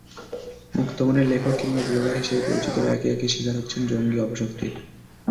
মুক্তমনের লেখক কিংবা ব্লগার হিসেবে পরিচিতরা একে একে শিকার হচ্ছেন জঙ্গি অপশক্তির।